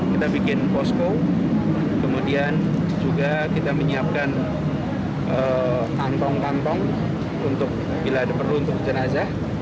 kita bikin posko kemudian juga kita menyiapkan kantong kantong untuk jenazah